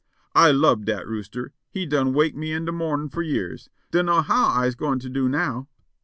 "I lubbed dat rooster ; he done wake me in de mornin' for years; dunno how I'se goin' to do now."